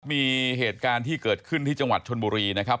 มีเหตุการณ์ที่เกิดขึ้นที่จังหวัดชนบุรีนะครับ